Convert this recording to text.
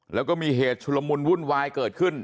แล้วก็มีเหตุชุลมุนวุ่นวายเกิดขึ้น